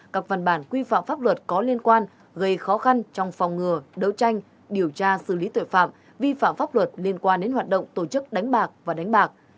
các văn bản quy phạm pháp luật có liên quan gây khó khăn trong phòng ngừa đấu tranh điều tra xử lý tội phạm vi phạm pháp luật liên quan đến hoạt động tổ chức đánh bạc và đánh bạc